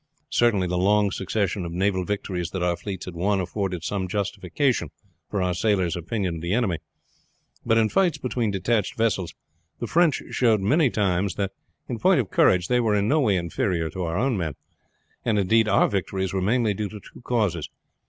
Certainly the long succession of naval victories that our fleets had won afforded some justification for our sailors' opinion of the enemy. But in fights between detached vessels the French showed many times that in point of courage they were in no way inferior to our own men; and indeed our victories were mainly due to two causes.